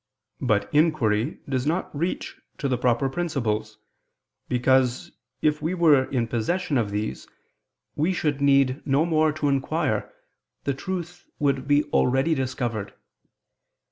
But inquiry does not reach to the proper principles: because, if we were in possession of these, we should need no more to inquire, the truth would be already discovered.